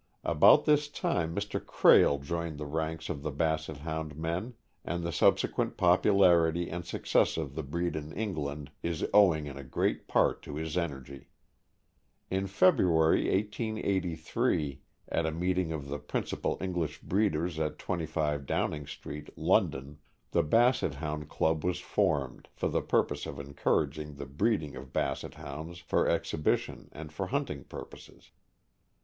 About this time Mr. ;, Krehl joined the ranks of the Basset Hound men, and the subsequent popularity and success of the breed in England is owing in a great part to his energy. In February, 1883, at a meeting of the principal English breeders at 25 Downing street, London, the Basset Hound Club was formed, for the purpose of encouraging the breed ing of Basset Hounds for exhibition and for hunting pur poses.